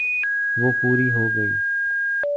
وہ پوری ہو گئی۔